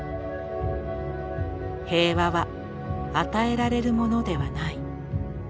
平和は与えられるものではない。